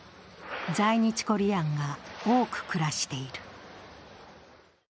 在日コリアンが多く暮らしている。